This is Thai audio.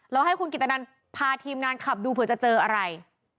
ให้คุณกิตนันพาทีมงานขับดูเผื่อจะเจออะไร